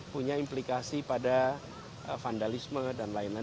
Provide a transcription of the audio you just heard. punya implikasi pada vandalisme dan lain lain